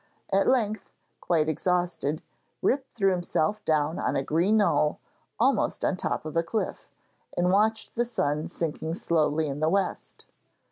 At length, quite exhausted, Rip threw himself down on a green knoll almost on top of a cliff, and watched the sun sinking slowly in the West.